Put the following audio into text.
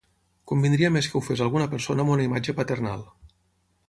Convindria més que ho fes alguna persona amb una imatge paternal.